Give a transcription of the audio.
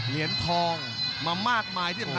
เหรียญทองมามากมาย